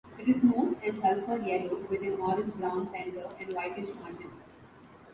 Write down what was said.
It is smooth and sulphur yellow with an orange-brown centre and whitish margin.